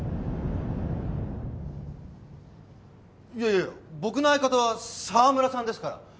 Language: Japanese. いやいや僕の相方は澤村さんですから。